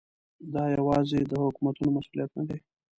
دا یوازې د حکومتونو مسؤلیت نه دی.